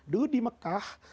dulu di mekah